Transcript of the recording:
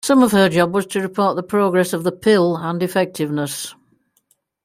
Some of her job was to report the progress of the pill and effectiveness.